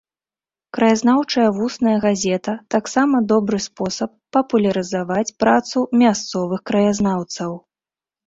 Краязнаўчая вусная газета таксама добры спосаб папулярызаваць працу мясцовых краязнаўцаў.